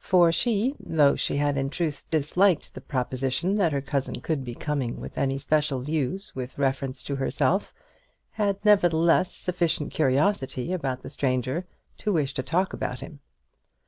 For she though she had in truth disliked the proposition that her cousin could be coming with any special views with reference to herself had nevertheless sufficient curiosity about the stranger to wish to talk about him.